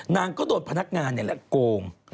นางก็โดนพนักงานแล้วกง